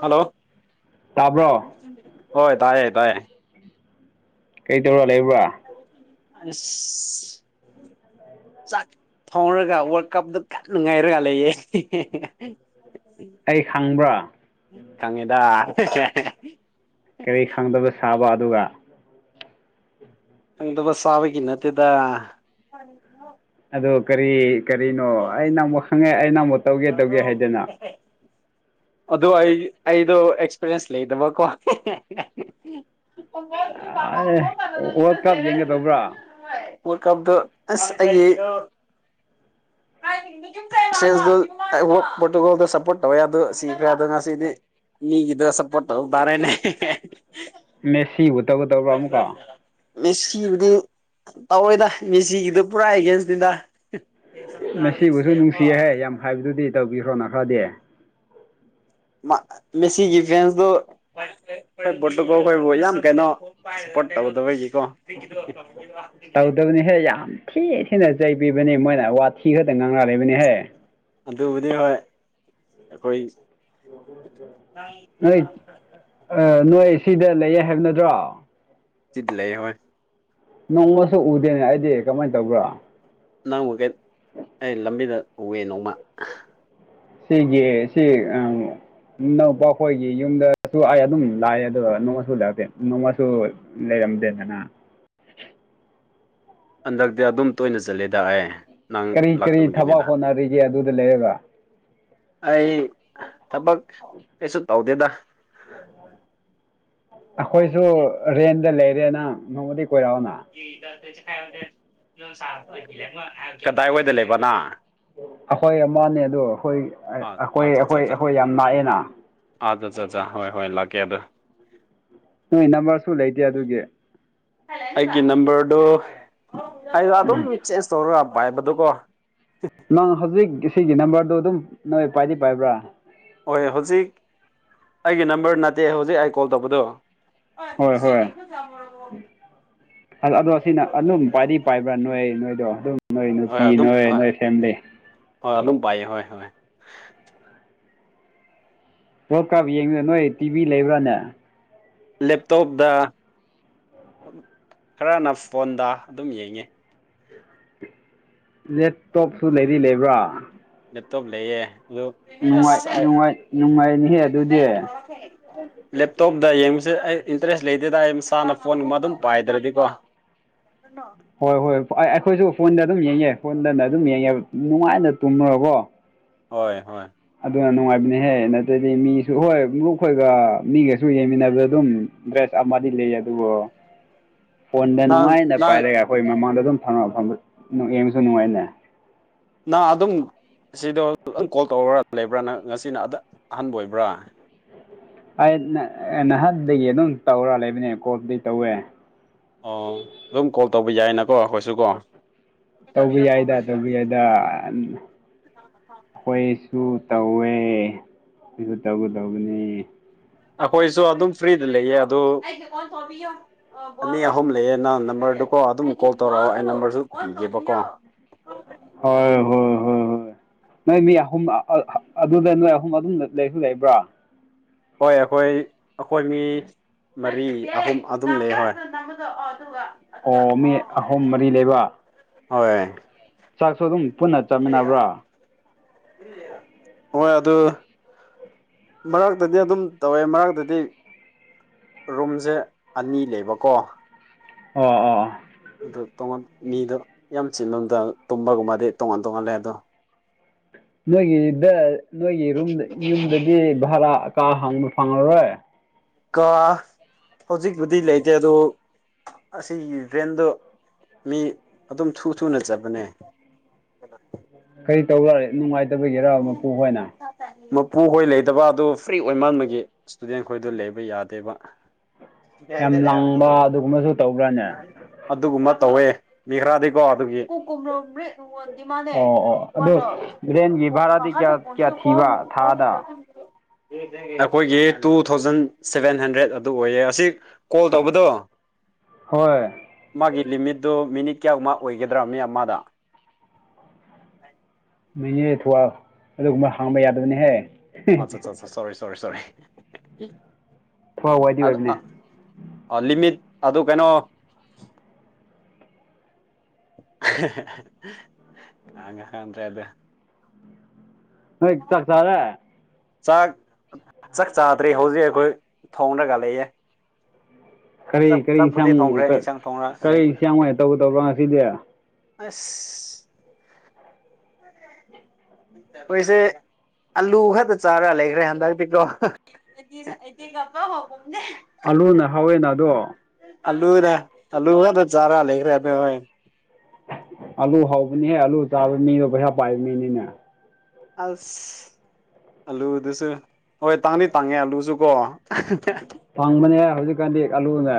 hello ꯇꯥꯕ꯭ꯔꯣ ꯍꯣꯏ ꯇꯥꯏꯌ‌ꯦ ꯇꯥꯏꯌꯦ ꯀꯩꯗꯧꯔꯥ ꯂꯩꯕ꯭ꯔꯥ ꯑꯁ ꯆꯥꯛ ꯐꯥꯎꯔꯒ ꯋꯥꯔꯜ ꯀꯞꯇ ꯀꯟꯅ ꯉꯥꯏꯔꯒ ꯂꯩꯌꯦ ꯑꯩ ꯈꯪꯕ꯭ꯔꯥ ꯈꯪꯉꯦꯗ [unintelligible] ꯀꯔꯤ ꯈꯪꯗꯕ ꯁꯥꯕ ꯑꯗꯨꯒ ꯈꯪꯗꯕ ꯁꯥꯥꯕꯒꯤ ꯅꯠꯇꯦꯗ [unintelligible] ꯑꯗꯣ ꯀꯔꯤ ꯀꯔꯤꯅꯣ ꯑꯩ ꯅꯪꯕꯨ ꯈꯪꯉꯦ ꯑꯩ ꯅꯃꯨꯛ ꯇꯧꯒꯦ ꯇꯧꯒꯦ ꯍꯥꯏꯗꯅ ꯑꯗꯣ ꯑꯩ ꯑꯩꯗꯣ ꯑꯦꯛꯁꯄꯤꯔꯤꯌꯦꯟꯁ ꯂꯩꯗꯕꯀꯣ ꯑꯦ ꯋꯥꯔꯜ ꯀꯞ ꯌꯦꯡꯒꯗꯧꯕ꯭ꯔꯥ [unintelligible] ꯋꯥꯜ ꯀꯞꯗ ꯑꯁ ꯑꯩꯒꯤ ꯋꯥꯛ ꯄꯣꯔꯇꯨꯒꯜꯗ ꯁꯄꯣꯔꯠ ꯇꯧꯋꯦ ꯑꯩ ꯗꯣ ꯉꯁꯤꯗꯤ ꯃꯤꯒꯤꯗ ꯁꯞꯄꯣꯔꯠ ꯇꯧꯕ ꯇꯔꯦꯅꯦ ꯃꯦꯁꯤ ꯋꯨꯠ [unintelligible] ꯃꯦꯁꯤꯕꯨꯗꯤ ꯇꯧꯔꯣꯢꯗ ꯃꯦꯁꯤꯒꯤꯗ ꯄꯨꯔꯥ ꯑꯦꯒꯦꯟꯁꯅꯤꯗ ꯃꯦꯁꯤꯕꯨꯁꯨ ꯅꯨꯡꯁꯤꯌꯦꯍꯦ ꯌꯥꯝ ꯍꯥꯏꯕꯗꯨꯗꯤ ꯇꯧꯕꯤꯈ꯭ꯔꯣꯅ ꯈ꯭ꯔꯗꯤ ꯃꯦꯁꯤꯒꯤ ꯒꯤꯐꯦꯟꯁꯗꯣ ꯍꯣꯏ ꯄꯣꯠꯇꯨꯜ ꯑꯩꯈꯣꯏꯕꯨ ꯌꯥꯝ ꯀꯩꯅꯣ ꯁꯄꯣꯠ ꯇꯧꯗꯕꯒꯤ ꯇꯧꯗꯕꯨꯅꯤ ꯍꯦ ꯌꯥꯝ ꯊꯤ ꯊꯤꯅ ꯆꯩꯕꯤꯕꯅꯤ ꯃꯣꯏꯅ ꯋꯥꯊꯤ ꯈꯗ ꯉꯥꯡꯂ ꯂꯩꯕꯅꯤꯍꯦ ꯑꯗꯨꯕꯨꯗꯤ ꯍꯣꯏ ꯑꯩꯈꯣꯏ ꯅꯣꯏ ꯑ ꯅꯣꯏ ꯁꯤꯗ ꯂꯩꯌꯦ ꯍꯥꯏꯕ ꯅꯠꯇ꯭ꯔꯣ ꯆꯤꯠ ꯂꯩ ꯍꯣꯏ ꯅꯣꯡꯃꯁꯨ ꯎꯗꯦꯅꯦ ꯑꯩꯗꯤ ꯀꯃꯥꯏꯅ ꯇꯧꯕ꯭ꯔꯥ ꯅꯪꯕꯨ ꯑꯩ ꯂꯝꯕꯤꯗ ꯎꯋꯦ ꯅꯣꯡꯃ ꯁꯤꯒꯤ ꯁꯤ ꯑꯝ ꯏꯅꯧꯄꯥ ꯈꯣꯏꯒꯤ ꯌꯨꯝꯗꯁꯨ ꯑꯩ ꯑꯗꯨꯝ ꯂꯥꯛꯑꯦ ꯑꯗꯨꯒ ꯅꯣꯡꯃꯁꯨ ꯂꯩꯔꯇꯦ ꯅꯣꯡꯃꯁꯨ ꯂꯩꯔꯝꯗꯦꯗꯅ ꯍꯟꯗꯛꯇꯤ ꯑꯗꯨꯝ ꯇꯣꯏꯅ ꯆꯠꯂꯦꯗꯥ ꯑꯩ ꯅꯪ ꯀꯔꯤ ꯀꯔꯤ ꯊꯕꯛ ꯂꯥꯛꯇꯕꯒꯤꯅꯤꯗ ꯍꯣꯠꯅꯔꯤꯒꯦ ꯑꯗꯨꯗ ꯂꯩꯔꯒ ꯑꯩ ꯊꯕꯛ ꯀꯩꯁꯨ ꯇꯧꯗꯦꯗ ꯑꯩꯈꯣꯏꯁꯨ ꯔꯦꯟꯗ ꯂꯩꯔꯦ ꯅ ꯅꯣꯡꯃꯗꯤ ꯀꯣꯏꯔꯥꯎꯑꯣꯅ ꯀꯗꯥꯏꯋꯥꯏꯗ ꯂꯩꯕꯅꯣ ꯑꯩꯈꯣꯏ ꯑꯃꯅꯦ ꯑꯗꯨ ꯑꯩꯈꯣꯏ ꯑꯥ ꯑꯩꯈꯣꯏ ꯑꯩꯈꯣꯏ ꯑꯩꯈꯣꯏ ꯌꯥꯝ ꯂꯥꯛꯑꯦꯅ ꯑꯥꯠꯆꯥꯥꯆꯥ ꯍꯣꯏ ꯍꯣꯏ ꯂꯥꯛꯀꯦ ꯑꯗꯨ ꯅꯣꯏ ꯅꯝꯕꯔꯁꯨ ꯂꯩꯇꯦ ꯑꯗꯨꯒꯤ ꯑꯩꯒꯤ ꯅꯝꯕꯔꯗꯨ ꯑꯩꯗꯣ ꯑꯗꯨꯝ ꯆꯦꯟꯖ ꯇꯧꯔ ꯄꯥꯏꯕꯗꫭꯀꫭ ꯅꯪ ꯍꯧꯖꯤꯛ ꯁꯤꯒꯤ ꯅꯝꯕꯔꯗꯨ ꯑꯗꯨꯝ ꯅꯣꯏ ꯄꯥꯏꯗꯤ ꯄꯥꯏꯕ꯭ꯔꯥ ꯍꯣꯢ ꯍꯧꯖꯤꯛ ꯑꯩꯒꯤ ꯅꯝꯕꯔ ꯅꯠꯇꯦ ꯍꯧꯖꯤꯛ ꯑꯩ ꯀꯣꯜ ꯇꯧꯕꯗꯣ ꯍꯣꯏ ꯍꯣꯏ [unintelligible] ꯑꯗꯣ ꯁꯤꯅ ꯑꯗꯨꯝ ꯄꯥꯏꯗꯤ ꯄꯥꯏꯕ꯭ꯔꯥ ꯅꯣꯏ ꯅꯣꯏꯗꯣ ꯑꯗꯨꯝ ꯅꯣꯏ ꯍꯣꯏ ꯅꯨꯄꯤ ꯑꯗꯨꯝ ꯅꯣꯏ ꯍꯣꯏ ꯅꯣꯏ ꯐꯦꯃꯤꯂꯤ ꯍꯣꯏ ꯑꯗꯨꯝ ꯄꯥꯢꯌꯦ ꯍꯣꯏ ꯍꯣꯏ ꯋꯥꯜ ꯀꯞ ꯌꯦꯡꯅ ꯅꯣꯏ ꯇꯤꯚꯤ ꯂꯩꯕ꯭ꯔꯥꯅꯦ ꯂꯦꯞꯇꯣꯞꯇ ꯈꯔꯅ ꯐꯣꯟꯗ ꯑꯗꯨꯝ ꯌꯦꯡꯉꯦ ꯂꯦꯞꯇꯣꯞꯁꯨ ꯂꯩꯗꯤ ꯂꯩꯕ꯭ꯔꯥ ꯅꯠꯇꯣꯞ ꯂꯩꯌꯦ ꯑꯗꯨ ꯅꯨꯡꯉꯥꯏ ꯑꯁ ꯑꯩ ꯅꯨꯡꯉꯥꯏ ꯅꯨꯡꯉꯥꯏꯅꯤꯍꯦ ꯑꯗꯨꯗꯤ ꯂꯦꯞꯇꯣꯞꯇ ꯌꯦꯡꯕꯁꯦ ꯑꯩ ꯏꯟꯇꯔꯦꯁ ꯂꯩꯇꯦꯗꯏ ꯑꯩ ꯃꯁꯥꯅ ꯐꯣꯟꯒꯨꯝꯕ ꯑꯗꯨꯝ ꯄꯥꯏꯗ꯭ꯔꯗꯤꯀꯣ [unintelligible] ꯍꯣꯏ ꯍꯣꯏ ꯑꯩꯈꯣꯏꯁꯨ ꯐꯣꯟꯗ ꯑꯗꯨꯝ ꯌꯦꯡꯉꯦ ꯐꯣꯟꯗꯅ ꯑꯗꯨꯝ ꯌꯦꯡꯉꯦ ꯅꯨꯡꯉꯥꯏꯅ ꯇꯨꯝꯂꯔ ꯀꯣ ꯍꯣꯏ ꯍꯣꯏ ꯑꯗꯨꯅ ꯅꯨꯡꯉꯥꯏꯕꯅꯤꯍꯦ ꯅꯠꯇ꯭ꯔꯗꯤ ꯃꯤꯁꯨ ꯍꯣꯏ ꯃꯔꯨꯞ ꯑꯩꯈꯣꯏꯒ ꯃꯤꯒꯁꯨ ꯌꯦꯡꯃꯤꯟꯅꯕꯗ ꯑꯗꯨꯝ ꯗ꯭ꯔꯦꯁ ꯑꯃꯗꯤ ꯂꯩ ꯑꯗꯨꯕꯨ UNINTELLIGIBLE ꯐꯣꯟꯗ ꯅꯨꯡꯉꯥꯏꯅ ꯄꯥꯏꯔꯒ ꯑꯩꯈꯣꯏ ꯃꯃꯥꯡꯗ ꯑꯗꯨꯝ ꯐ ꯌꯦꯡꯉꯁꯨ ꯅꯨꯡꯉꯥꯏꯅꯦ ꯅꯪ ꯑꯗꯨꯝ ꯁꯤꯗꯣ ꯀꯣꯜ ꯇꯧꯔꯒ ꯂꯩꯕ꯭ꯔꯥ ꯅꯪ ꯉꯁꯤꯅ ꯑꯗ ꯑꯍꯥꯟꯕ ꯑꯣꯏꯕ꯭ꯔꯥ ꯑꯩ ꯅꯍꯥꯟꯗꯒꯤ ꯑꯗꯨꯝ ꯇꯧꯔ ꯂꯩꯕꯅꯦ ꯀꯣꯜꯕꯨꯗꯤ ꯇꯧꯋꯦ ꯑꯣ ꯑꯗꯨꯝ ꯀꯣꯜ ꯇꯧꯕ ꯌꯥꯏꯅꯀꯣ ꯑꯩꯈꯣꯏꯁꯨ ꯀꯣ ꯇꯧꯕ ꯌꯥꯏꯗ ꯇꯧꯕ ꯌꯥꯏꯗ ꯑꯩꯈꯣꯏꯁꯨ ꯇꯧꯋꯦ ꯑꯩꯁꯨ ꯇꯧꯒꯗꯧꯕꯅꯤ ꯑꯩꯈꯣꯏꯁꯨ ꯑꯗꯨꯝ ꯐ꯭ꯔꯤꯗ ꯂꯩꯌꯦ ꯑꯗꯨ ꯑꯅꯤ ꯑꯍꯨꯝ ꯂꯩꯌꯦ ꯅꯪ ꯅꯝꯕꯔꯗꯨꯀꯣ ꯑꯗꯨꯝ ꯀꯣꯜ ꯇꯧꯔꯛꯑꯣ ꯑꯩ ꯅꯝꯕꯔꯁꯨ ꯄꯤꯒꯦꯕꯀꯣ ꯍꯣꯏ ꯍꯣꯏ ꯍꯣꯏ ꯍꯣꯏ ꯅꯣꯏ ꯃꯤ ꯑꯍꯨꯝ ꯑꯗꯨꯗ ꯅꯣꯏ ꯑꯍꯨꯝ ꯑꯗꯨꯝ ꯂꯩꯁꯨ ꯂꯩꯕ꯭ꯔꯥ ꯍꯣꯏ ꯑꯩꯈꯣꯏ ꯑꯩꯈꯣꯏ ꯃꯤ ꯃꯔꯤ ꯑꯍꯨꯝ ꯑꯗꯨꯝ ꯂꯩ ꯍꯣꯏ ꯑꯣ ꯃꯤ ꯑꯍꯨꯝ ꯃꯔꯤ ꯂꯩꯕ ꯍꯣꯏ ꯆꯥꯛꯁꯨ ꯑꯗꯨꯝ ꯄꯨꯟꯅ ꯆꯥꯃꯤꯟꯅꯕ꯭ꯔꯥ ꯍꯣꯏ ꯑꯗꯨ ꯃꯔꯛꯇꯗꯤ ꯑꯗꯨꯝ ꯇꯧꯋꯦ ꯃꯔꯛꯇꯗꯤ ꯔꯨꯝꯁꯦ ꯑꯅꯤ ꯂꯩꯕꯀꯣ ꯑꯣ ꯑꯣ ꯑꯗꯨ ꯇꯣꯉꯥꯟ ꯃꯤꯗꯣ ꯌꯥꯝ ꯆꯤꯟꯂꯣꯝꯗ ꯇꯨꯝꯕꯒꯨꯝꯕꯗꯤ ꯇꯣꯉꯥꯟ ꯇꯣꯉꯜꯂꯦ ꯑꯗꯣ ꯅꯣꯏꯒꯤꯗ ꯅꯣꯏꯒꯤ ꯔꯨꯝ ꯌꯨꯝꯗꯗꯤ ꯚꯔꯥ ꯀꯥ ꯍꯪꯕ ꯐꯪꯉꯔꯣꯏ ꯀ ꯍꯧꯖꯤꯛꯕꯨꯨꯗꯤ ꯂꯩꯇꯦ ꯑꯗꯨ ꯑꯁꯤꯒꯤ ꯔ꯭ꯔꯦꯟꯗꯣ ꯃꯤ ꯑꯗꯨꯝ ꯊꯨ ꯊꯨꯅ ꯆꯠꯄꯅꯦ ꯀꯔꯤ ꯇꯧꯕ ꯅꯨꯡꯉꯥꯏꯇꯕꯒꯤꯔ ꯃꯄꯨ ꯍꯣꯏꯅ ꯃꯄꯨꯈꯣꯏ ꯂꯩꯗꯕ ꯑꯗꯨ ꯐ꯭ꯔꯤ ꯑꯣꯏꯃꯟꯕꯒꯤ ꯏꯁꯇꯨꯗꯦꯟ ꯈꯣꯏꯗ ꯂꯩꯕ ꯌꯥꯗꯦꯕ ꯌꯥꯝ ꯂꯥꯡꯕ ꯑꯗꯨꯒꯨꯝꯕꯁꯨ ꯇꯧꯕ꯭ꯔꯥꯅꯦ ꯑꯗꯨꯒꯨꯝꯕ ꯇꯧꯋꯦ ꯃꯤꯈꯔꯥꯗꯤꯀꯣ ꯑꯗꯨꯒꯤ ꯗꯤꯃꯅꯦ ꯑꯣ ꯀꯅꯣ ꯔꯦꯟꯖꯤꯤꯞ ꯀꯥꯗ ꯄꯨꯣꯁꯤꯨ ꯀꯣꯅ ꯀꯣ ꯐ ꯑꯩꯈꯣꯏꯒꯤ ꯇꯨ ꯊꯥꯎꯖꯟ ꯁꯚꯦꯟ ꯍꯟꯗ꯭ꯔꯦꯗ ꯑꯗꯨ ꯑꯣꯏꯌꯦ ꯑꯁꯤ ꯀꯣꯜ ꯇꯧꯕꯗꯣ ꯍꯣꯏ ꯃꯥꯒꯤ ꯂꯤꯃꯤꯠꯇꯣ ꯃꯤꯅꯤꯠ ꯀꯌꯥꯨꯛꯃꯥ ꯑꯣꯏꯒꯗ꯭ꯔꯥ ꯃꯤ ꯃꯥꯗ ꯃꯅꯦ ꯊꯨꯋꯥ ꯑꯗꯨꯒꯨꯝꯕ ꯍꯥꯡꯕ ꯌꯥꯗꯕꯅꯤꯍꯦ ꯑꯆꯥꯠ ꯁꯣꯔꯤ ꯁꯣꯔꯤ ꯁꯣꯔꯤ ꯊꯨꯋꯦꯜ ꯋꯥꯏꯗꯤ ꯑꯗ ꯑꯣꯏꯕꯅꯦ ꯂꯤꯃꯤꯠ ꯑꯗꯨ ꯀꯩꯅꯣ ꯀꯉ ꯈꯗ꯭ꯔꯦ ꯑꯗꯨꯗ ꯅꫭꯏ ꯆꯥꯛ ꯆꯥꯔꯦ ꯆꯥꯛ ꯆꯥꯛ ꯆꯥꯗ꯭ꯔꯦ ꯍꯧꯖꯤꯛ ꯑꯩꯈꯣꯏ ꯊꯣꯡꯅꯒ ꯂꯩꯑ ꯆꯥꯛ ꯀꯔꯤ ꯀꯔꯤ ꯆꯥꯛꯄꯗꯤ ꯏꯟꯁꯥꯡ ꯊꯣꯡꯈ꯭ꯔꯦ ꯏꯟꯁꯥꯡ ꯊꯣꯡꯅ ꯂꯩ ꯀꯔꯤ ꯏꯟꯁꯥꯡ ꯑꯣꯏꯅ ꯇꯧꯒꯗꯧꯕ꯭ꯔꯥ ꯉꯁꯤꯗꯤ ꯑꯁ ꯎꯝ ꯑꯩꯈꯣꯏꯁꯦ ꯑꯂꯨ ꯈꯛꯇ ꯆꯥꯔ ꯂꯩꯈ꯭ꯔꯦ ꯍꯟꯗꯥꯛꯇꯤꯀ UNINTELLIGIBLE ꯑꯥꯂꯨꯅ ꯍꯥꯎꯋꯦꯅ ꯑꯗꯣ ꯑꯜꯂꯨꯅ ꯑꯜꯂꯨ ꯉꯥꯛꯇꯥ ꯆꯥꯔ ꯂꯩꯔꯦ ꯑꯥꯂꯨ ꯍꯧꯕꯅꯤꯍꯦ ꯑꯂꯨ ꯇꯥꯕ ꯃꯤꯗꯣ ꯄꯩꯁꯥ ꯄꯥꯏꯕ ꯃꯤꯅꯤꯅꯦ ꯑꯜꯁ ꯑꯂꯨꯗꯨꯁꯨ ꯍꯣꯏ ꯇꯥꯡꯗꯤ ꯇꯥꯡꯉꯦ ꯑꯂꯨꯁꯨꯀꯣ ꯐꯪꯕꯅꯦ ꯍꯧꯖꯤꯛꯀꯥꯟꯗꯤ ꯑꯥꯂꯨꯅꯦ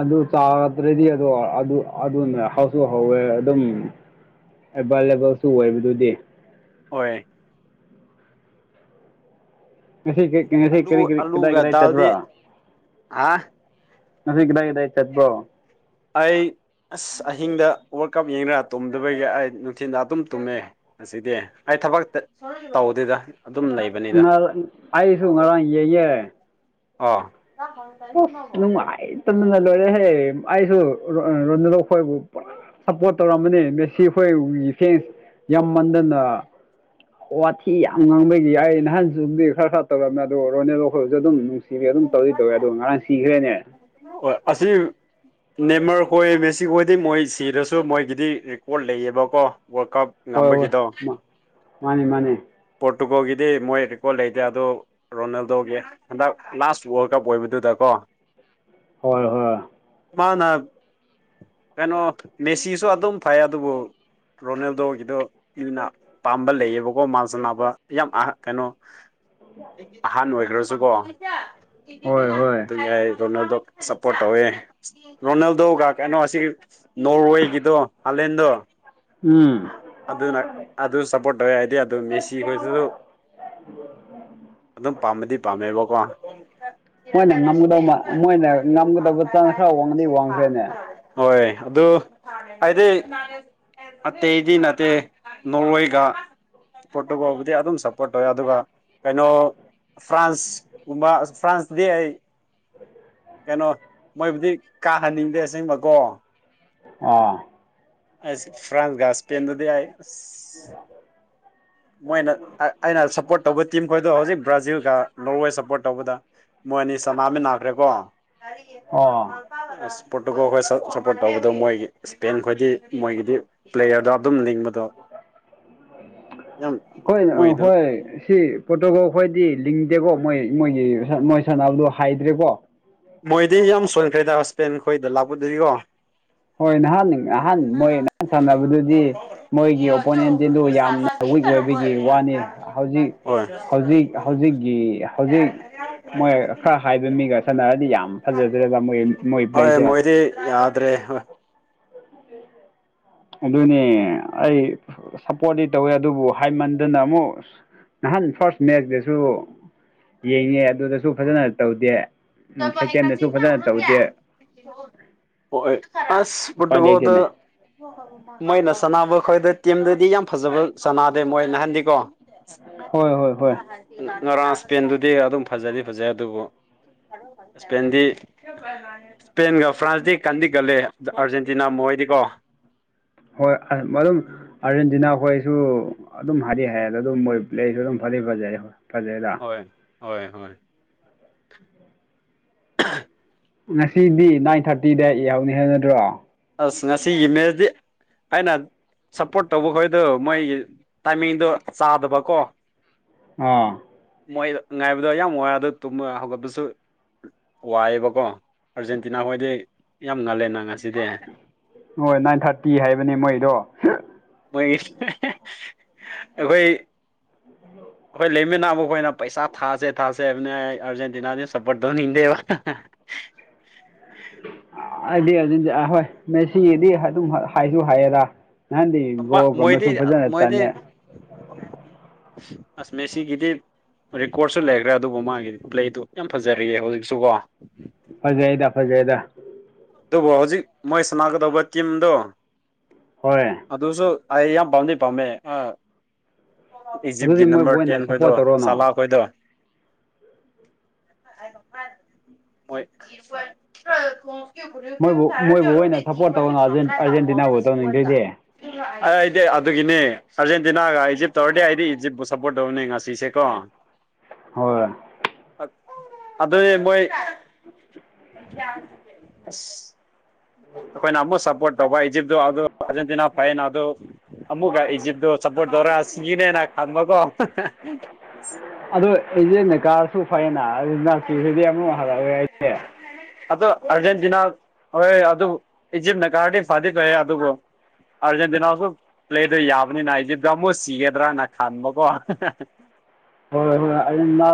ꯑꯗꯨ ꯆꯥꯔꯗ꯭ꯔꯗꯤ ꯑꯗꯣ ꯑꯗꯨ ꯑꯗꯨ ꯍꯧꯁꯨ ꯍꯧꯋꯦ ꯑꯗꯨꯝ ꯑꯦꯕꯥꯏꯂꯦꯕꯜꯁꯨ ꯑꯣꯏꯕꯗꯨꯗꯤ ꯑꯣꯏ ꯉ ꯉꯁꯤ ꯑꯂꯨ ꯀꯔꯤ ꯀꯔꯤ ꯀꯗꯥꯏ ꯑꯂꯨꯒ ꯀꯗꯥꯏ ꯗꯥꯜꯗꯤ ꯆꯠꯄ꯭ꯔ ꯍꯥ ꯉꯁꯤ ꯀꯗꯥꯏ ꯀꯗꯥꯏ ꯆꯠꯄ꯭ꯔꯣ ꯑꯩ ꯑꯁ ꯑꯍꯤꯡꯗ ꯋꯥꯜꯀꯞ ꯌꯦꯡꯗꯅ ꯇꯨꯝꯗꯕꯒꯤ ꯑꯩ ꯅꯨꯡꯊꯤꯟꯗ ꯑꯗꯨꯝ ꯇꯨꯝꯃꯦ ꯑꯁꯤꯗꯤ ꯑꯩ ꯊꯕꯛꯇ ꯇꯧꯗꯦꯗ ꯑꯗꯨꯝ ꯂꯩꯕꯅꯤꯗ ꯅ ꯑꯏꯁꯨꯨ ꯉꯔꯥꯡ [unintelligible] ꯑꯣ ꯑꯣ ꯅꯨꯡꯉꯥꯏꯇꯗꯅ ꯂꯣꯏꯔꯦꯍꯦ ꯑꯩꯁꯨ ꯔꯣꯗꯈꯣꯏꯕꯨ ꯄꯨꯔꯥ ꯁꯞꯄꯣꯔꯠ ꯇꯧꯔꯝꯕꯅꯦ ꯃꯦꯁꯤ ꯑꯩꯈꯣꯏꯒꯤ ꯐꯦꯟꯁ ꯌꯥꯝ ꯃꯟꯗꯅ ꯋꯥꯊꯤ ꯌꯥꯝ ꯉꯥꯡꯕꯒꯤ ꯌꯥꯏ ꯅꯍꯥꯟꯁꯨꯗꯤ ꯈꯔ ꯈꯔ ꯇꯧꯔꯝꯃꯦ ꯑꯗꯣ ꯔꯣꯅꯦꯂꯣꯈꯣꯏꯕꯁꯨ ꯑꯗꯨꯝ ꯅꯨꯡꯁꯤ ꯁꯤꯗꯤ ꯑꯗꯨꯝ ꯇꯧꯗꯤ ꯇꯧꯋꯦ ꯑꯗꯣ ꯉꯔꯥꯡ ꯁꯤꯈ꯭ꯔꯦꯅꯦ ꯑꯣ ꯑꯁꯤ ꯅꯦꯝꯃꯔ ꯍꯣꯏ ꯃꯦꯁꯤ ꯍꯣꯏꯗꯤ ꯃꯣꯏ ꯁꯤꯔꯁꯨ ꯃꯣꯏꯒꯤꯗꯤ ꯔꯦꯀꯣꯔꯠ ꯂꯩꯌꯦꯕꯀꯣ ꯋꯥꯜ ꯀꯞ ꯍꯣꯏ ꯍꯣꯏ ꯉꯝꯕꯒꯤꯗꯣ ꯃꯥꯅꯦ ꯃꯥꯅꯦ ꯄꯣꯔꯇꯨꯒꯜꯒꯤꯗꯤ ꯃꯣꯏ ꯔꯦꯀꯣꯔꯠ ꯂꯩꯇꯦ ꯑꯗꯨꯣ ꯔꯣꯅꯥꯜꯗꯣꯒꯤ ꯍꯟꯗꯛ ꯂꯥꯁ ꯋꯥꯔꯜ ꯀꯞ ꯑꯣꯏꯕꯗꯨꯗ ꯀꯣ ꯍꯣꯏ ꯍꯣꯏ ꯃꯥꯅ ꯀꯩꯅꯣ ꯃꯦꯁꯤꯁꯨ ꯑꯗꯨꯝ ꯐꯩ ꯑꯗꯨꯕꯨ ꯔꯣꯅꯦꯜꯗꯣꯒꯤꯗꯣ ꯄꯥꯝꯕ ꯂꯩꯌꯦꯕꯀꯣ ꯃꯥꯁꯅꯕ ꯌꯥꯝ ꯑ ꯀꯩꯅꯣ ꯑꯍꯥꯟ ꯑꯣꯏꯈ꯭ꯔꯁꯨ ꯀꯣ ꯍꯣꯏ ꯍꯣꯏ ꯑꯗꯨ ꯌꯥꯏ ꯔꯣꯅꯜꯗꯣ ꯁꯞꯄꯣꯔꯠ ꯇꯧꯋꯦ ꯔꯣꯅꯥꯜꯗꯣꯒ ꯀꯩꯅꯣ ꯑꯁꯤ ꯅꯣꯔꯋꯦꯒꯤꯗꯣ ꯍꯥꯂꯦꯟꯗꯣ ꯎꯝ ꯑꯗꯨꯅ ꯑꯗꯨ ꯁꯞꯄꯣꯔꯠ ꯇꯧꯋꯦ ꯍꯥꯏꯗꯤ ꯑꯗꯨ ꯃꯦꯁꯤ ꯈꯣꯏꯁꯨ [inaudible] ꯑꯗꯨꯝ ꯄꯥꯝꯕꯗꯤ ꯄꯥꯝꯃꯦꯕꯀꯣ ꯃꯣꯏꯅ ꯉꯝꯒꯗꯧꯕ ꯃꯣꯏꯅ ꯉꯝꯒꯗꯧꯕ ꯆꯥꯅ ꯈꯔ ꯋꯥꯡꯅꯗꯤ ꯋꯥꯡꯈ꯭ꯔꯦꯅꯦ ꯍꯣꯏ ꯑꯗꯨ ꯍꯥꯏꯗꯤ ꯑꯇꯩꯗꯤ ꯅꯠꯇꯦ ꯅꯣꯔꯣꯏꯒ ꯄꯣꯔꯇꯨꯒꯣꯜꯕꯨꯗꯤ ꯑꯗꯨꯝ ꯁꯞꯄꯣꯔꯠ ꯇꯧꯋꯦ ꯑꯗꯨꯒ ꯀꯩꯅꯣ ꯐ꯭ꯔꯥꯟꯁ ꯐ꯭ꯔꯥꯟꯁ ꯗꯦ ꯀꯩꯅꯣ ꯃꯣꯏꯕꯨꯗꯤ ꯀꯥꯍꯟꯅꯤꯡꯗꯦ ꯑꯁꯦꯡꯕꯀꯣ ꯑꯥ ꯐ꯭ꯔꯥꯟꯁꯒ ꯁꯄꯦꯟꯗꯗꯤ ꯑꯩ ꯃꯣꯏꯅ ꯑꯩꯅ ꯁꯞꯄꯣꯔꯠ ꯇꯧꯕ ꯇꯤꯝ ꯈꯣꯏꯗꯣ ꯍꯧꯖꯤꯛ ꯕ꯭ꯔꯥꯖꯤꯜꯒ ꯅꯣꯏꯋꯦ ꯁꯞꯄꯣꯔꯠ ꯇꯧꯕꯗ ꯃꯣꯏ ꯑꯅꯤ ꯁꯅꯥꯃꯤ ꯅꯥꯈ꯭ꯔꯦꯀꯣ ꯑ ꯑꯥ ꯄꯣꯔꯠꯇꯨꯀ ꯑꯩꯈꯣꯏ ꯁꯞꯄꯣꯔꯠ ꯇꯧꯕꯗꯣ ꯃꯣꯏꯒꯤ ꯏꯁꯄꯦꯟ ꯈꯣꯏꯗꯤ ꯃꯣꯏꯒꯤꯗꯤ ꯄ꯭ꯂꯦꯌꯔꯗꯣ ꯑꯗꯨꯝ ꯂꯤꯡꯕꯗꯣ ꯌꯥꯝ ꯀꯣꯏ ꯃꯣꯏꯗꯨ ꯍꯣꯏ ꯁꯤ ꯄꯣꯔꯇꯨꯒꯜ ꯑꯩꯈꯣꯏꯗꯤ ꯂꯤꯡꯗꯦꯀꯣ ꯃꯣꯏ ꯃꯣꯏꯒꯤ ꯃꯣꯏ ꯁꯥꯟꯅꯕꯗꯣ ꯍꯥꯏꯗ꯭ꯔꯦꯀꯣ ꯃꯣꯏꯗꯤ ꯌꯥꯝ ꯁꯣꯟꯈ꯭ꯔꯦꯗ ꯍꯁꯄꯦꯟ ꯈꯈꯣꯏꯗ ꯂꯥꯛꯄꯗꯨꯔꯤꯀꯣ ꯍꯣꯏ ꯅꯍꯥꯟ ꯅꯍꯥꯟ ꯃꯣꯏ ꯅꯍꯥꯟ ꯁꯥꯟꯅꯕꯗꯨꯗꯤ ꯃꯣꯏꯒꯤ ꯑꯣꯄꯣꯅꯦꯟꯁꯤꯗꯨ ꯌꯥꯝꯅ ꯋꯤꯛ ꯑꯣꯏꯕꯒꯤ ꯋꯥꯅꯤ ꯍꯧꯖꯤꯛ ꯍꯣꯏ ꯍꯧꯖꯤꯛ ꯍꯧꯖꯤꯛꯀꯤ ꯍꯧꯖꯤꯛ ꯃꯣꯏ ꯈꯔ ꯍꯥꯏꯕ ꯃꯤꯒ ꯁꯥꯟꯅꯔꯗꯤ ꯌꯥꯝ ꯐꯖꯗ꯭ꯔꯦꯗ ꯃꯣꯏ ꯃꯣꯏ ꯍꯣꯏ ꯄ꯭ꯂꯦꯁꯦ ꯃꯣꯏꯗꯤ ꯌꯥꯗ꯭ꯔꯦ ꯍꯣ ꯑꯗꯨꯅꯦ ꯑꯩ ꯁꯞꯄꯣꯔꯤ ꯇꯧꯋꯦ ꯑꯗꯨꯕꯨ ꯍꯥꯏꯃꯟꯗꯅ ꯑꯃꯨꯛ ꯅꯍꯥꯟ ꯐꯥꯔꯁ ꯃꯦꯠꯁꯇꯁꯨ ꯌꯦꯡꯉꯦ ꯑꯗꯨꯗꯁꯨ ꯐꯖꯅ ꯇꯧꯗꯦ ꯎꯝ ꯁꯦꯀꯦꯟꯗꯁꯨ ꯐꯖꯅ ꯇꯧꯗꯦ ꯍ ꯑꯁ ꯎꯄꯥꯏ ꯄꯣꯔꯇꯨꯀꯜꯗ ꯂꯩꯇꯦꯅꯦ ꯃꯣꯏꯅ ꯁꯥꯟꯅꯕ ꯈꯣꯏꯗ ꯇꯤꯝꯗꯗꯤ ꯌꯥꯝ ꯐꯖꯕ ꯁꯥꯟꯅꯗꯦ ꯃꯣꯏ ꯅꯍꯟꯗꯤꯀꯣ ꯍꯣꯏ ꯍꯣꯏ ꯍꯣꯏ ꯉꯔꯥꯥꯡ ꯁꯄꯦꯟꯗꯨꯗꯤ ꯑꯗꯨꯝ ꯐꯖꯗꯤ ꯐꯖꯩ ꯑꯗꯨꯕꯨ ꯏꯁꯄꯦꯟꯗꯤ ꯏꯁꯄꯦꯟꯒ ꯐ꯭ꯔꯥꯟꯁꯇꯤ ꯀꯟꯗꯤ ꯀꯜꯂꯦ ꯑꯥꯔꯖꯦꯟꯇꯤꯅꯥ ꯃꯣꯏꯗꯤꯀꯣ ꯍꯣꯏ ꯃꯔꯝ ꯑꯥꯔꯖꯦꯟꯇꯤꯅꯥ ꯈꯣꯏꯁꯨ ꯑꯗꯨꯝ ꯍꯥꯏꯗꯤ ꯍꯥꯏ ꯑꯗꯨꯝ ꯃꯣꯏ ꯄ꯭ꯂꯦ ꯑꯩꯁꯨ ꯑꯗꯨꯝ ꯐꯗꯤ ꯐꯖꯩ ꯐꯖꯩꯗ ꯍ ꯍꯣꯏ ꯍꯣꯏ ꯑ [unintelligible] ꯉꯁꯤꯗꯤ ꯅꯥꯏꯟ ꯊꯥꯔꯇꯤꯗ ꯍꯧꯅꯤ ꯍꯥꯏ ꯅꯗ꯭ꯔꯣ ꯑꯁ ꯉꯁꯤꯒꯤ ꯃꯦꯁꯗꯤ ꯍꯥꯏꯅ ꯁꯞꯄꯣꯔꯠ ꯇꯧꯕꯈꯣꯏꯗꯣ ꯃꯣꯏ ꯇꯥꯏꯃꯤꯡꯗꯣ ꯆꯥꯗꯕꯀꯣ ꯑꯥ ꯃꯣꯏ ꯉꯥꯏꯕꯗꯣ ꯌꯥꯝ ꯋꯥ ꯑꯗꯨ ꯇꯨꯝꯕ ꯍꯧꯒꯠꯄꯁꯨ ꯋꯥꯏꯑꯦꯕꯀꯣ ꯑꯔꯖꯦꯟꯇꯤꯅꯥ ꯍꯣꯏꯗꯤ ꯌꯥꯝ ꯉꯜꯂꯦ ꯅꯪ ꯉꯁꯤꯗꯤ ꯍꯣꯏ ꯅꯥꯏꯟ ꯊꯥꯔꯇꯤ ꯍꯥꯏꯕꯅꯤ ꯃꯣꯏꯗꯣ ꯃꯣꯏꯒꯤ ꯑꯩꯈꯣꯏ ꯑꯩꯈꯣꯏ ꯂꯩꯃꯤꯟꯅꯕ ꯈꯣꯏꯅ ꯄꯩꯁꯥ ꯊꯥꯁꯦ ꯊꯥꯁꯦ ꯍꯥꯏꯕꯅꯤ ꯑꯩ ꯑꯥꯔꯖꯦꯟꯇꯤꯅꯥꯗꯤ ꯁꯞꯄꯣꯔꯠ ꯇꯧꯅꯤꯡꯗꯦꯕ ꯑꯗꯨꯗꯤ ꯑꯗꯨꯗꯤꯍꯣꯏ ꯃꯦꯁꯤꯒꯤꯗꯤ ꯑꯗꯨꯝ ꯍꯥꯏꯁꯨ ꯍꯥꯏꯌꯦꯔ ꯅꯍꯥꯟꯗꯤ ꯀꯣꯜ ꯑꯃꯁꯨ ꯐꯖꯅ ꯆꯜꯂꯦ ꯑꯁꯃꯦꯁꯤꯒꯤꯗꯤ ꯔꯦꯀꯣꯔꯠꯁꯨ ꯂꯩꯈ꯭ꯔꯦ ꯑꯗꯨꯕꯨ ꯃꯥꯒꯤꯗꯤ ꯄ꯭ꯂꯦꯗꯨ ꯌꯥꯝ ꯐꯖꯔꯤꯑꯦ ꯍꯧꯖꯤꯛꯁꯨ ꯀꯣ ꯐꯖꯩꯗ ꯐꯖꯩꯗ ꯑꯗꯨꯕꯨ ꯍꯧꯖꯤꯛ ꯃꯣꯏ ꯁꯥꯟꯅꯥꯒꯗꯧꯕ ꯇꯤꯝꯗꯣ ꯍꯣꯏ ꯑꯗꯨꯁꯨ ꯑꯩ ꯌꯥꯝ ꯄꯥꯥꯝꯗꯤ ꯄꯥꯝꯃꯦ ꯏꯖꯤꯞꯀꯤ ꯑꯗꯨꯗꯤ ꯃꯣꯏꯕꯨ ꯅꯝꯕꯔ ꯇꯦꯟ ꯑꯣꯏꯅ ꯈꯣꯏꯗꯣ ꯁꯞꯄꯣꯔꯠ ꯇꯧꯔꯣꯅ ꯁꯥꯂꯥ ꯈꯣꯏꯗꯣ ꯊꯣ [unintelligible] ꯃꯣꯏꯕꯨ ꯃꯣꯏꯕꯨ ꯑꯣꯏꯅ ꯁꯞꯄꯣꯔꯠ ꯇꯧ ꯑꯔꯖꯦꯟꯇꯤꯅꯥꯕꯨ ꯇꯧꯅꯤꯡꯗꯔꯗꯤ ꯑꯩꯗꯤ ꯑꯗꯨꯒꯤꯅꯤ ꯑꯔꯖꯦꯟꯇꯤꯅꯥꯒ ꯏꯖꯤꯞ ꯇꯧꯔꯗꯤ ꯑꯩꯗꯤ ꯏꯖꯤꯞꯄꯨ ꯁꯞꯄꯣꯔꯠ ꯇꯧꯕꯅꯤ ꯉꯁꯤꯁꯦꯀꯣ [inaudible] ꯍꯣꯏ ꯑꯗꯣꯏ [inaudible] ꯎꯝ ꯅꯃ ꯁꯄꯣꯔꯠ ꯇꯧꯕ ꯏꯖꯤꯞꯇ ꯑꯗꯨ ꯑꯔꯖꯦꯟꯇꯤꯅꯥ ꯐꯩ ꯑꯗꯨ ꯑꯃꯨꯛꯀ ꯏꯖꯤꯞꯇꯣ ꯆꯞꯄꯣꯔꯠ ꯇꯧꯔ ꯁꯤꯅꯦꯅ ꯈꯟꯕꯀꯣ ꯑꯗꯣ ꯏꯖꯤꯞꯅ ꯀꯥꯔꯁꯨ ꯐꯩꯌꯦꯅ ꯑꯃꯨꯛ ꯍꯜꯂꯛꯑꯣ ꯍꯥꯏꯗꯤ ꯑꯗꯨ ꯑꯔꯖꯦꯟꯇꯤꯅꯥ ꯍꯣꯏ ꯑꯗꯨꯕꯨ ꯏꯖꯤꯞꯅ ꯀꯥꯔꯗꯤ ꯐꯥꯗꯤ ꯐꯩꯌꯦ ꯑꯗꯨꯕꯨ ꯑꯥꯔꯖꯦꯟꯇꯤꯅꯥꯁꯨ ꯄ꯭ꯂꯦꯗꯨ ꯌꯥꯕꯅꯤꯅ ꯏꯖꯤꯞꯗꯨ ꯑꯃꯨꯛ ꯁꯤꯒꯗ꯭ꯔꯅ ꯈꯟꯕꯀꯣ ꯍꯣꯏ ꯍꯣꯏ ꯑꯩ ꯃ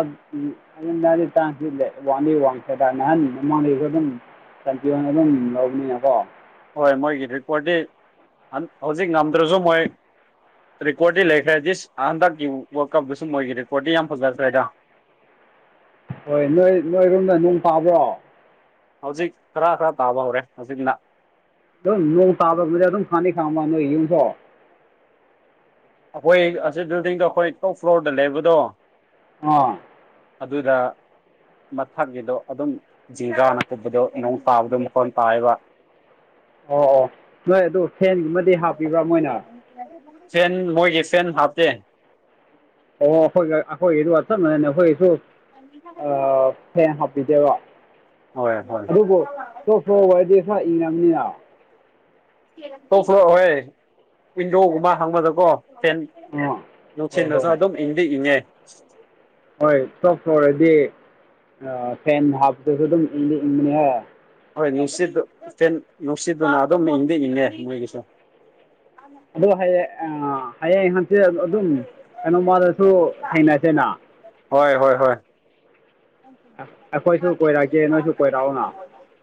ꯑꯗꯨꯗꯤ ꯇꯥꯡꯁꯤꯦ ꯋꯥ ꯋꯥꯦ ꯇ ꯃꯃ [unintelligible] ꯀꯟꯇ꯭ꯔꯤ ꯑꯗꯨꯅ ꯗꯨꯝ ꯂꯧꯕꯅꯤꯀꯣ ꯍꯣꯏ ꯃꯣꯏꯒꯤ ꯔꯤꯀꯣꯔꯠꯇꯤ ꯍꯧꯖꯤꯛ ꯉꯝꯗ꯭ꯔꯁꯨ ꯃꯣꯏ ꯔꯦꯀꯣꯔꯗꯤ ꯂꯩꯈ꯭ꯔꯦ ꯗꯤ ꯍꯟꯗꯛꯀꯤ ꯋꯥꯔꯜ ꯀꯞꯇꯁꯨ ꯃꯣꯏꯒꯤ ꯔꯦꯀꯣꯔꯗꯤ ꯌꯥꯝ ꯐꯖꯈ꯭ꯔꯦ ꯍꯥꯏꯗ ꯍꯣꯏ ꯅꯣꯏ ꯅꯣꯏꯔꯣꯝꯗ ꯅꯣꯡ ꯇꯕ꯭ꯔꯣ ꯍꯧꯖꯤꯛ ꯈꯔ ꯈꯔ ꯇꯥꯕ ꯍꯧꯔꯦ ꯍꯧꯖꯤꯛꯅ ꯑꯗꯨꯝ ꯅꯣꯡ ꯇꯥꯕ ꯑꯗꯨꯝ ꯐꯥꯅꯤ ꯈꯥꯡꯉꯕ ꯅꯣꯏ ꯌꯨꯝꯗꯣ ꯑꯩꯈꯣꯏ ꯑꯁꯤ ꯕꯤꯜꯗꯤꯡꯗꯣ ꯑꯩꯈꯣꯏ ꯇꯣꯞ ꯐ꯭ꯂꯣꯔꯗ ꯂꯩꯕꯗꯣ ꯑꯥ ꯑꯗꯨꯗ ꯃꯊꯥꯛꯒꯤꯗꯣ ꯑꯗꯨꯝ ꯖꯤꯒꯥꯅ ꯀꯨꯞꯄ ꯅꯣꯡ ꯇꯥꯕꯗꯣ ꯃꯈꯣꯟ ꯇꯥꯏꯑꯕ ꯑꯣ ꯑꯣ ꯅꯣꯏ ꯑꯗꯨ ꯐꯦꯟꯒꯨꯝꯃꯗꯤ ꯍꯥꯞꯄꯤꯕ꯭ꯔꯥ ꯃꯣꯏꯅ ꯐ‌‌ꯦꯟ ꯃꯣꯏꯒꯤ ꯐ‌ꯦꯟ ꯍꯥꯞꯇꯦ ꯑꯣ ꯑꯩꯈꯣꯏ ꯑꯩꯈꯣꯏꯒꯤꯗꯨꯒ ꯆꯥꯞ ꯃꯅ‌ꯌ‌‌ꯦ ꯑꯈꯣꯏꯒꯤꯁꯨ ꯑ ꯐꯦꯟ ꯍꯥꯞꯄꯤꯗꯦꯕ ꯍꯣꯏ ꯍꯣꯏ ꯑꯗꯨꯕꯨ ꯇꫭꯞ ꯐ꯭ꯂꯣꯔꯗꯥ ꯈꯔ ꯏꯪꯉꯅꯤꯅ ꯇꯣꯞ ꯐꫭꯔ ꯑꫭꯏꯌ‌ꯦ ꯋꯤꯟꯗꯣꯒꯨꯝꯕ ꯍꯥꯡꯕꯗꯀꯣ ꯐꯦꯟ ꯑꯥ ꯅꯨꯡꯁꯤ ꯍꯣꯏ ꯅꯁꯨ ꯍꯣꯏ ꯑꯗꯨꯝ ꯏꯪꯗꯤ ꯏꯪꯉꯦ ꯍꯣꯏ ꯇꯣꯞ ꯐ꯭ꯂꯣꯔꯗꯤ ꯐꯦꯟ ꯑ ꯍꯥꯞꯄꯗꯁꯨ ꯑꯗꯨꯝ ꯏꯪꯗꯤ ꯏꯪꯕꯅꯦ ꯍꯦ ꯍꯣꯏ ꯅꯨꯡꯁꯤꯠꯇ ꯐꯦꯟ ꯅꯨꯡꯁꯤꯠꯇꯨꯅ ꯑꯗꯨꯝ ꯏꯪꯗꯤ ꯏꯪꯉꯦ ꯃꯣꯏꯒꯤꯁꯨ ꯑꯗꯣ ꯍꯌꯦꯡ ꯍꯌꯦꯡ ꯍꯪꯆꯤꯠ ꯑꯗꯨꯝ ꯀꯩꯅꯣ ꯃꯗꯁꯨ ꯊꯦꯡꯅꯁꯦꯅ ꯍꯣꯏ ꯍꯣꯏ ꯍꯣꯏ ꯑꯩꯈꯣꯏꯁꯨ ꯀꯣꯏꯔꯛꯀꯦ ꯅꯣꯏꯁꯨ ꯀꯣꯏꯔꯛꯎꯅ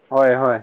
ꯍꯣꯏ ꯍꯣꯏ